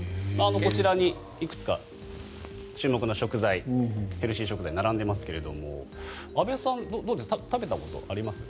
こちらにいくつか注目の食材ヘルシー食材が並んでいますが安部さん、どうですか食べたことあります？